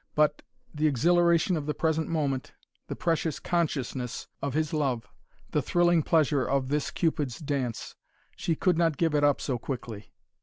But the exhilaration of the present moment, the precious consciousness of his love, the thrilling pleasure of this Cupid's dance she could not give it up so quickly.